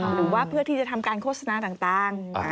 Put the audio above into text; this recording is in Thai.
หรือว่าเพื่อที่จะทำการโฆษณาต่าง